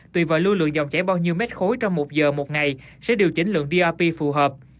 tùy vào lưu lượng dòng chảy bao nhiêu mét khối trong một giờ một ngày sẽ điều chỉnh lượng drp phù hợp